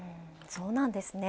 そうなんですね。